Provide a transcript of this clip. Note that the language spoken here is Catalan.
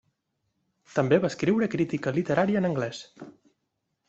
També va escriure crítica literària en anglès.